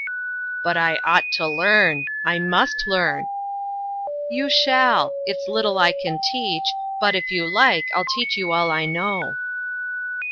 "But I ought to learn; I must learn." "You shall. It's little I can teach; but, if you like, I'll teach you all I know."